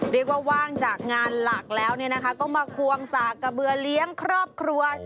เรียกว่าว่างจากงานหลักแล้วมาควงสากะเบือเลี้ยงครอบครัว